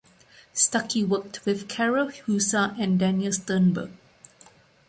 Stucky worked with Karel Husa and Daniel Sternberg.